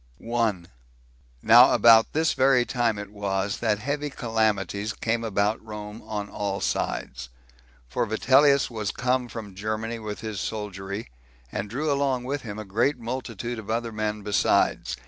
1. Now about this very time it was that heavy calamities came about Rome on all sides; for Vitellius was come from Germany with his soldiery, and drew along with him a great multitude of other men besides.